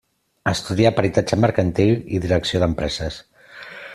Estudià peritatge mercantil i direcció d'empreses.